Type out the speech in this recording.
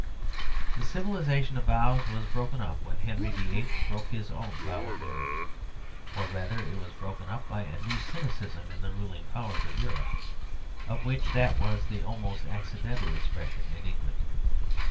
The civilisation of vows was broken up when Henry the Eighth broke his own vow of marriage. Or rather, it was broken up by a new cynicism in the ruling powers of Eu rope, of which that was the almost accidental expression in England.